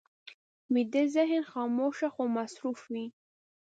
ویده ذهن خاموش خو مصروف وي